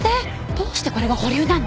どうしてこれが保留なの？